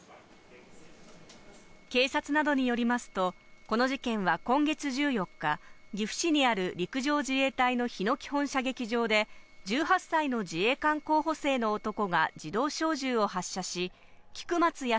警察などによりますと、この事件は今月１４日、岐阜市にある陸上自衛隊の日野基本射撃場で１８歳の自衛官候補生の男が自動小銃を発射し、菊松安